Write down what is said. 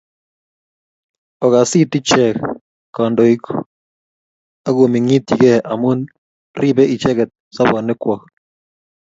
Okasit ichek kandoiik akominginityige amu ripei icheket sobonwekwok